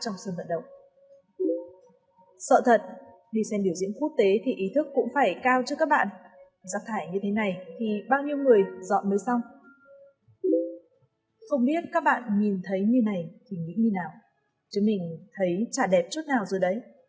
nếu các bạn nhìn thấy như này thì nghĩ như nào chứ mình thấy chả đẹp chút nào rồi đấy